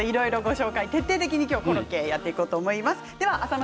今日は徹底的にコロッケをやっていこうと思います。